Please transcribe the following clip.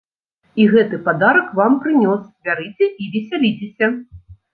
І гэты падарак вам прынёс, бярыце і весяліцеся.